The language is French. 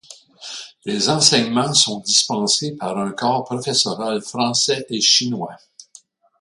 Les enseignements sont dispensés par un corps professoral français et chinois.